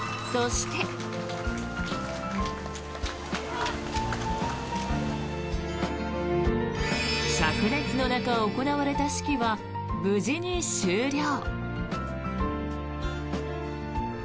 しゃく熱の中、行われた式は無事に終了。